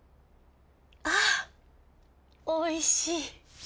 あおいしい。